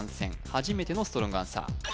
初めてのストロングアンサー